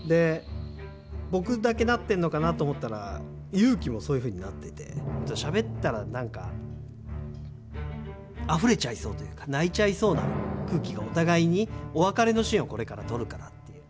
僕だけなってるのかなと思ったら裕貴もそういうふうになっててなんかあふれちゃいそうというかお互いにお別れのシーンをこれから撮るからっていう。